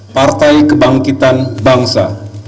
partai kebangkitan bangsa